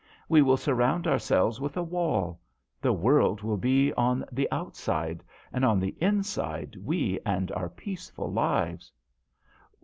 We will surround ourselves with a wall. The world will be on the outside, and on the inside we and our peaceful lives."